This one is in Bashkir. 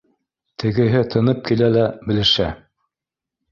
Тегеһе тынып килә лә белешә: